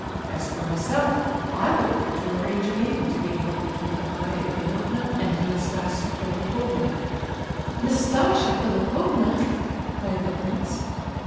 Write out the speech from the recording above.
As for myself, I went there to arrange a meeting to be held between Aglaya Ivanovna and Nastasia Philipovna." "Nastasia Philipovna!" cried the prince.